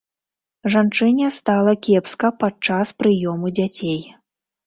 Жанчыне стала кепска падчас прыёму дзяцей.